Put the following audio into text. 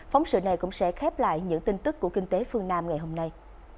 phóng sự này cũng sẽ khép lại những tin tức của kinh tế phương nam ngày hôm nay